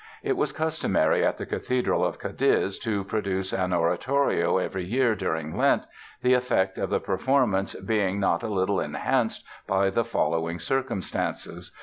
It was customary at the Cathedral of Cadiz to produce an oratorio every year during Lent, the effect of the performance being not a little enhanced by the following circumstances.